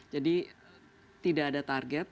jadi tidak ada target